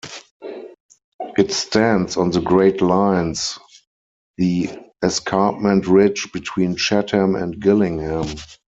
It stands on the Great Lines, the escarpment ridge between Chatham and Gillingham.